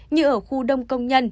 như ở khu đông công nhân